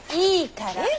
いいから！